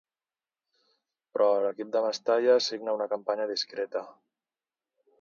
Però, a l'equip de Mestalla signa una campanya discreta.